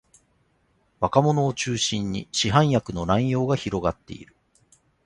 若者を中心に市販薬の乱用が広がっている